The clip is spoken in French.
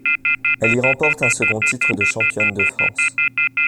Elle y remporte un second titre de championne de France.